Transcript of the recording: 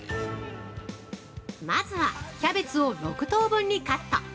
まずはキャベツを６等分にカット。